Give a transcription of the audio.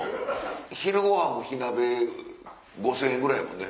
昼ごはん火鍋５０００円ぐらい。